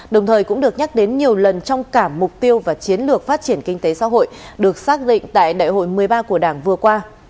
đồng thời cũng được nhắc đến nhiều lần trong cả mục tiêu và chiến lược phát triển kinh tế xã hội được xác định tại đại hội một mươi ba của đảng vừa qua